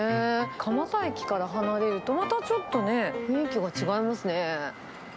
蒲田駅から離れると、またちょっとね、雰囲気が違いますね。